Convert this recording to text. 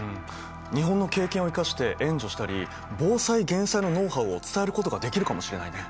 日本の経験を生かして援助したり防災減災のノウハウを伝えることができるかもしれないね。